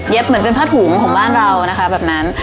เหมือนเป็นผ้าถุงของบ้านเรานะคะแบบนั้น